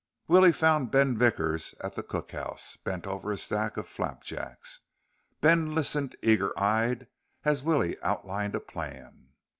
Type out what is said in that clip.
Willie found Ben Vickers at the cookhouse, bent over a stack of flapjacks. Ben listened eager eyed as Willie outlined a plan.